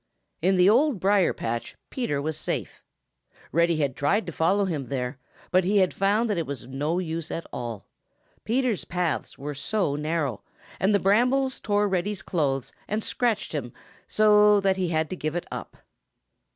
In the Old Briar patch Peter was safe. Reddy had tried to follow him there, but he had found that it was of no use at all. Peter's paths were so narrow, and the brambles tore Reddy's clothes and scratched him so, that he had to give it up.